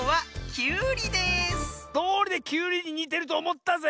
どおりでキュウリににてるとおもったぜ！